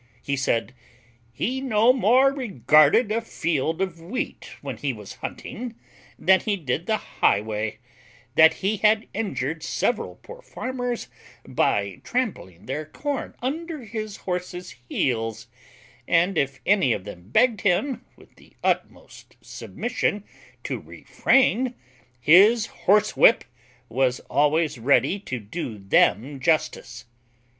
He said, "He no more regarded a field of wheat when he was hunting, than he did the highway; that he had injured several poor farmers by trampling their corn under his horse's heels; and if any of them begged him with the utmost submission to refrain, his horsewhip was always ready to do them justice."